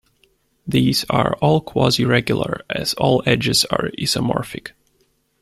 These are all "quasi-regular" as all edges are isomorphic.